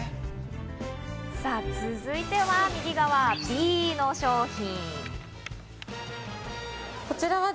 さぁ、続いては右側、Ｂの商品。